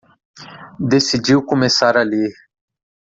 Decidiu começar a ler